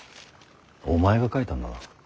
お前が書いたんだな。